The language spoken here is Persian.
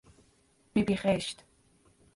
بیبی خشت